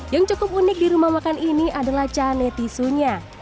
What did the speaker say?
yang cukup unik di rumah makan ini adalah cane tisunya